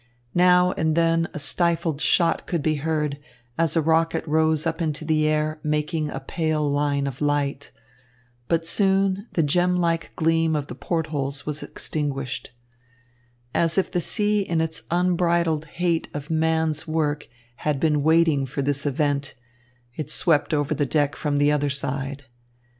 Now and then a stifled shot could be heard, as a rocket rose up into the air, making a pale line of light. But soon the gem like gleam of the port holes was extinguished. As if the sea in its unbridled hate of man's work had been waiting for this event, it swept over the deck from the other side.